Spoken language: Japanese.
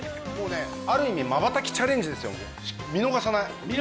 ある意味まばたきチャレンジですよ、見逃さない。